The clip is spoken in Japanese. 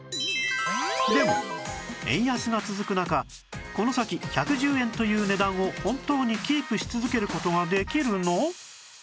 でも円安が続く中この先１１０円という値段を本当にキープし続ける事ができるの？